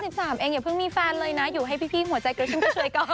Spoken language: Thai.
ในเวลา๑๓เองอย่าเพิ่งมีแฟนเลยนะอยู่ให้พี่หัวใจก็ช่วยก่อน